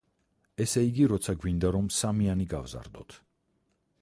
ესე იგი, როცა გვინდა, რომ სამიანი გავზარდოთ.